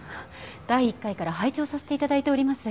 第１回から拝聴させて頂いております。